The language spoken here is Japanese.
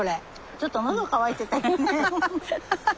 ちょっと喉渇いてたんやね。